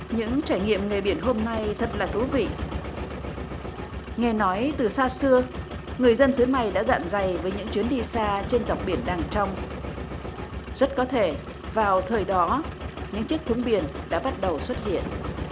những trải nghiệm nghề biển hôm nay thật là thú vị nghe nói từ xa xưa người dân sứ này đã dạn dày với những chuyến đi xa trên dọc biển đằng trong rất có thể vào thời đó những chiếc thúng biển đã bắt đầu xuất hiện